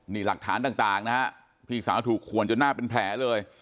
นี่หลักฐานต่างนะฮะพี่สาวถูกขวนจนหน้าเป็นแผลเลย